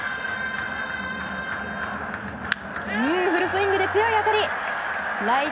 フルスイングで強い当たり！